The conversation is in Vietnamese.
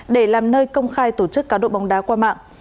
để làm nơi công khai tổ chức cá độ bóng đá qua mạng